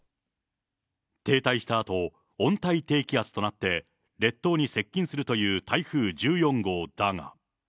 停滞したあと、温帯低気圧となって、列島に接近するという台風１４号だが。